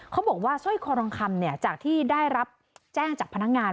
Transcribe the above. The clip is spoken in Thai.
บอกว่าสร้อยคอทองคำจากที่ได้รับแจ้งจากพนักงาน